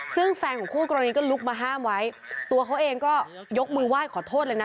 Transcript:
ซึ่งแฟนของคู่กรณีก็ลุกมาห้ามไว้ตัวเขาเองก็ยกมือไหว้ขอโทษเลยนะ